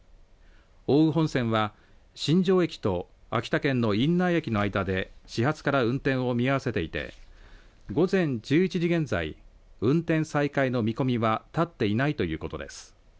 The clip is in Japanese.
奥羽本線は新庄駅と秋田県の院内駅の間で始発から運転を見合わせていて午前１１時現在運転再開の見込みは立っていないということです。